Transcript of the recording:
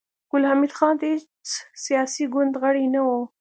ګل حمید خان د هېڅ سياسي ګوند غړی نه و